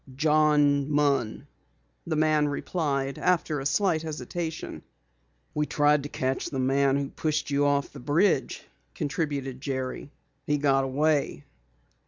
"John Munn," the man replied after a slight hesitation. "We tried to catch the man who pushed you off the bridge," contributed Jerry. "He got away."